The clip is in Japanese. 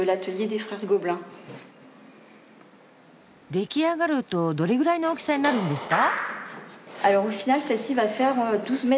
出来上がるとどれぐらいの大きさになるんですか？